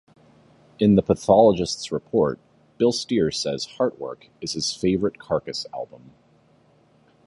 In "The Pathologist's Report," Bill Steer says "Heartwork" is his favourite Carcass album.